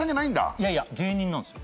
いやいや芸人なんすよ。